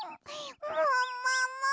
もっもも！